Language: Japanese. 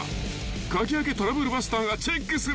［鍵開けトラブルバスターがチェックする］